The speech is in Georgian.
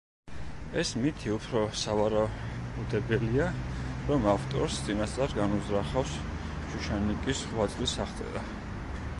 ეს მით უფრო სავარაუდებელია, რომ ავტორს წინასწარ განუზრახავს შუშანიკის ღვაწლის აღწერა.